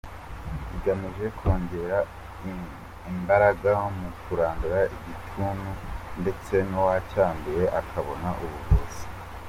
Igamije kongera imbaraga mu kurandura igituntu ndetse n’uwacyanduye akabona ubuvuzi.